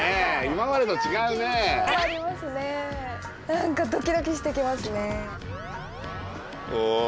何かドキドキしてきますね。